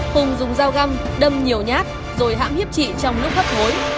hùng dùng dao găm đâm nhiều nhát rồi hãm hiếp chị trong nước khắp hối